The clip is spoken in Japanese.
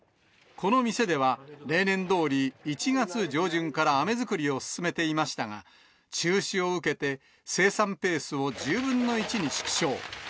この店では、例年どおり１月上旬からあめ作りを進めていましたが、中止を受けて、生産ペースを１０分の１に縮小。